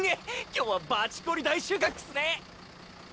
今日はバチコリ大収穫っすね。